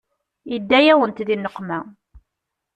Yedda-yawent di nneqma.